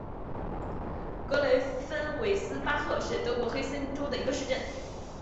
格雷芬维斯巴赫是德国黑森州的一个市镇。